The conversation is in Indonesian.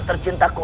tidak tuan odaikan